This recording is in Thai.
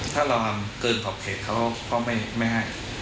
ถ้าเราเกินขอบเขตเขาก็ไม่ให้